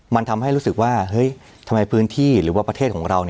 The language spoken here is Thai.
มันทำให้รู้สึกว่าเฮ้ยทำไมพื้นที่หรือว่าประเทศของเรา